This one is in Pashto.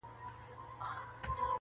ما په ژوند کي ښه کار نه دی کړی جانه-